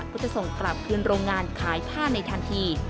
ก็จะส่งกลับคืนโรงงานขายผ้าในทันที